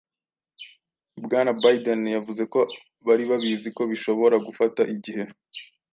Bwana Biden yavuze ko bari babizi ko bishobora gufata igihe